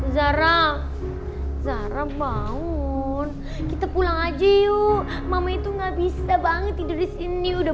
zara zarah bangun kita pulang aja yuk mama itu nggak bisa banget tidur di sini udah